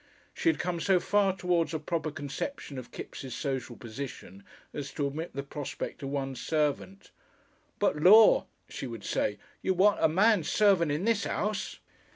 She had come so far towards a proper conception of Kipps' social position as to admit the prospect of one servant "but lor'!" she would say, "you'd want a manservant in this 'ouse."